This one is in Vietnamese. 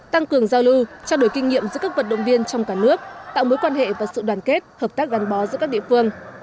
tăng cường giao lưu trao đổi kinh nghiệm giữa các vận động viên trong cả nước tạo mối quan hệ và sự đoàn kết hợp tác gắn bó giữa các địa phương